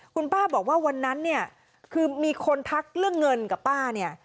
คุณป้าบอกว่าวันนั้นเนี่ยคือมีคนทักเรื่องเงินกับป้าเนี่ย